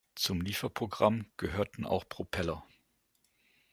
Zum Lieferprogramm gehörten auch Propeller.